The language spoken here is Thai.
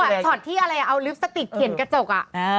เห็นจังหวะถอดที่อะไรเอาลิฟต์สติดเขียนกระจก